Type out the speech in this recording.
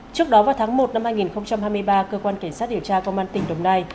trước đó vào tháng một năm hai nghìn hai mươi ba cơ quan cảnh sát điều tra công an tỉnh đồng nai